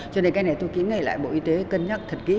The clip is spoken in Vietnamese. cho nên cái này tôi ký ngay lại bộ y tế cân nhắc thật kỹ